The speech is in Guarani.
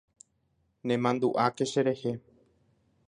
Nemandu'áke cherehe.